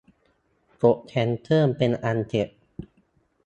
กดแคนเซิลเป็นอันเสร็จ